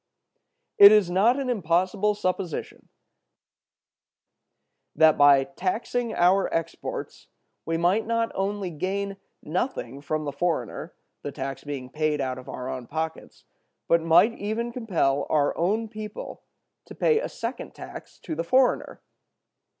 It is not an impossible supposition that by taxing our exports we might not only gain nothing from the foreigner, the tax being paid out of our own pockets, but might even compel our own people to pay a second tax to the foreigner.